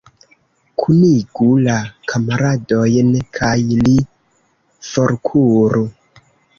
Kunigu la kamaradojn, kaj ni forkuru.